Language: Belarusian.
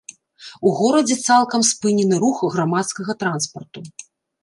У горадзе цалкам спынены рух грамадскага транспарту.